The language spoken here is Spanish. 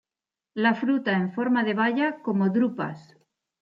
La fruta en forma de baya, como drupas.